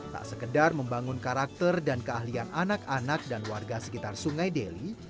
tak sekedar membangun karakter dan keahlian anak anak dan warga sekitar sungai deli